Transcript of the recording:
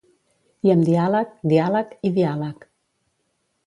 I amb diàleg, diàleg i diàleg.